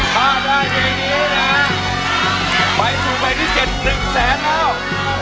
ถ้าได้อย่างนี้นะไปสู่ใบที่๗หนึ่งแสนแล้ว